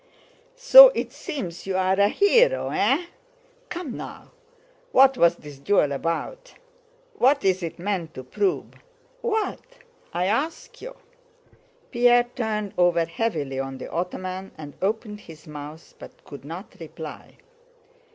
"So it seems you're a hero, eh? Come now, what was this duel about? What is it meant to prove? What? I ask you." Pierre turned over heavily on the ottoman and opened his mouth, but could not reply.